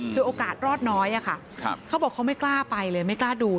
คือโอกาสรอดน้อยอะค่ะเขาบอกเขาไม่กล้าไปเลยไม่กล้าดู